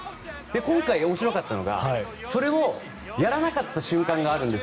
今回、面白かったのがそれをやらなかった瞬間があるんです。